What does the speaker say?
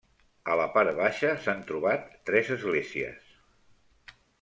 A la part baixa s'han trobat tres esglésies.